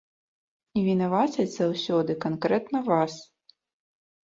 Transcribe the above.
І вінавацяць заўсёды канкрэтна вас.